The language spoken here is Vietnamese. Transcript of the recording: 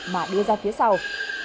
mà đưa ra phía sau